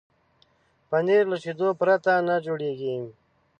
پنېر له شیدو پرته نه جوړېږي.